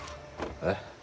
えっ？